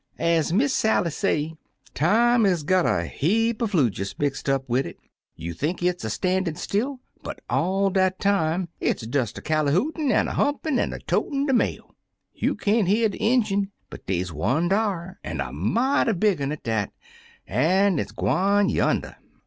Ez Miss Sally say, Time is got a heaper flewjus mixt up wid it. You think it's a standin' still, but all dat time it's des a callyhootin', an' a humpin', an' a totin' de mail. You can't hear de ingine, but dey's one dar, an' a mighty big un at dat, an' it's gwine yander."